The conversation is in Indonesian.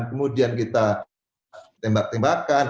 kemudian kita tembak tembakan